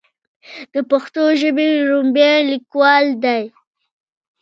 د پښتو ژبې وړومبے ليکوال دی